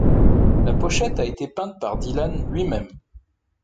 La pochette a été peinte par Dylan lui-même.